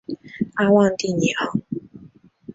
阿旺蒂尼昂。